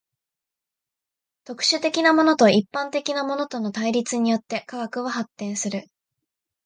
特殊的なものと一般的なものとの対立によって科学は発達する。